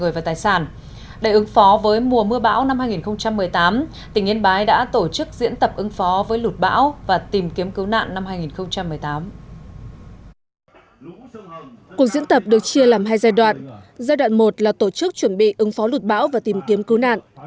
giai đoạn một là tổ chức chuẩn bị ứng phó lụt bão và tìm kiếm cứu nạn